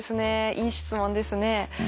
いい質問ですね。